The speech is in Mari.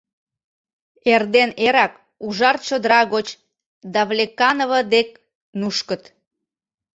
Эрден эрак ужар чодыра гоч Давлеканово дек нушкыт...